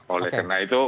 oleh karena itu